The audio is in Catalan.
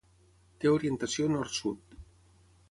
Té orientació nord-sud.